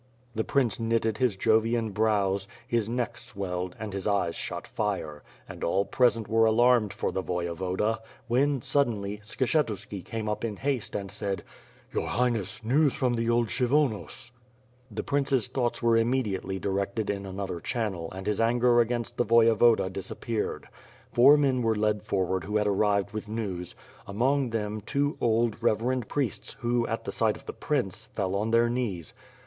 The prince knitted his Jovian brows; his neck swelled, and his eyes shot fire, and all present were alarmed for the Voye voda, when, suddenly, Skshetuski came up in haste and said: "Your Highness, news from the old Kshyvonos." The princess thoughts were immediately directed in an other channel and his anger against the Voyevoda disap WITn FIRE AND SWORD. 349 peared. Four men were led forward who had arrived with news; among them, two, old, reverend priests who, at the sight of the prince, fell on their knees.